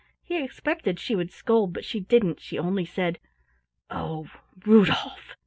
He expected she would scold, but she didn't, she only said "Oh, Rudolf!"